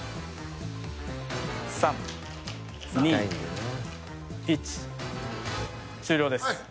３２１終了です。